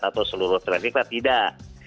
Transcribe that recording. atau seluruh traffic light tidak